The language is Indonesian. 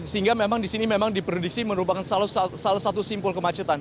sehingga memang di sini memang diprediksi merupakan salah satu simpul kemacetan